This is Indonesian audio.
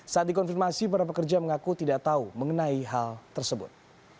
saat dikonfirmasi para pekerja mengaku tidak tahu mengenai hal tersebut